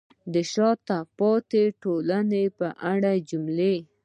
د شاته پاتې ټولنې په اړه جملې: